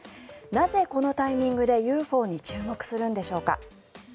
なぜ、このタイミングでＵＦＯに注目するのでしょうか。